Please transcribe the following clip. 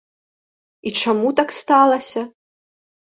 І чаму так сталася?